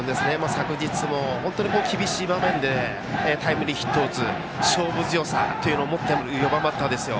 昨日も本当に厳しい場面でタイムリーヒットを打つ勝負強さというのを持っている４番バッターですよ。